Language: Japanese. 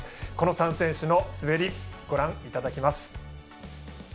この３選手の滑りご覧いただきます。